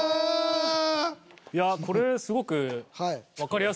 いやこれすごく。